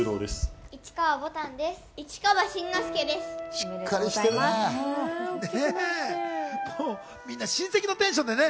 しっかりしてるね。